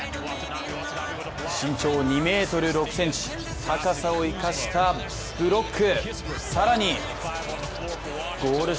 身長２ｍ６ｃｍ、高さを生かしたブロック！